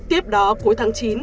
tiếp đó cuối tháng chín